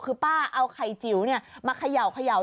คือป้าเอาไข่จิ๋วมาเขย่า